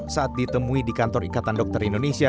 saat ditemui di kantor ikatan dokter indonesia